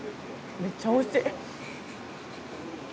めちゃくちゃおいしい。